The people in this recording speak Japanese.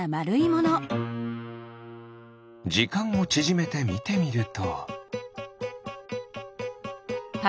じかんをちぢめてみてみると。